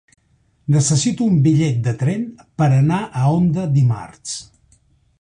Necessito un bitllet de tren per anar a Onda dimarts.